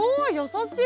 優しい！